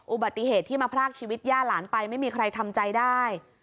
อุบัติเหตุที่มาพรากชีวิตย่าหลานไปไม่มีใครทำใจได้